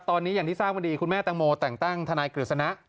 ตอนนี้อย่างที่ทราบวันนี้คุณแม่แตงโมแต่งตั้งทนายกฤษณะ